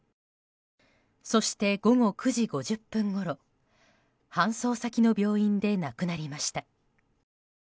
そして、午後９時５０分ごろ搬送先の病院で亡くなりました。